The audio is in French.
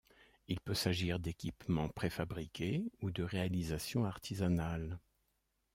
Il peut s'agir d'équipements préfabriqués ou de réalisations artisanales.